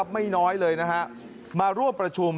ไม่น้อยเลยมาร่วมประชุม